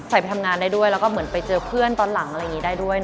ไปทำงานได้ด้วยแล้วก็เหมือนไปเจอเพื่อนตอนหลังอะไรอย่างนี้ได้ด้วย